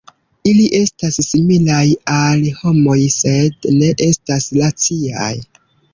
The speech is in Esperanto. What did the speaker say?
Ili estas similaj al homoj, sed ne estas raciaj.